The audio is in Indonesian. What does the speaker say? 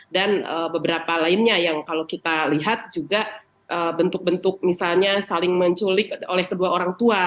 dan beberapa lainnya yang kalau kita lihat juga bentuk bentuk misalnya saling menculik oleh kedua orang tua